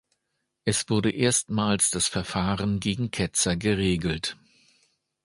Es wurde erstmals das Verfahren gegen Ketzer geregelt.